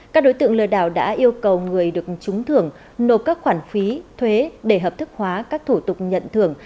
các đối tượng lừa đảo đã yêu cầu người được trúng thưởng nộp các khoản phí thuế để hợp thức hóa các thủ tục nhận thưởng